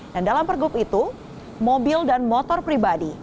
dan dalam pergub itu mobil dan motor pribadi